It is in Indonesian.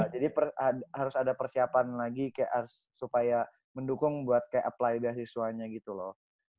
jadi harus ada persiapan lagi kayak supaya mendukung buat kayak apply beasiswanya gitu loh